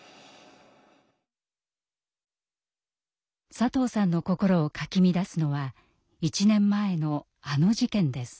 佐藤さんの心をかき乱すのは１年前のあの事件です。